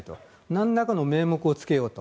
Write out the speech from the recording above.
何らかの名目をつけようと。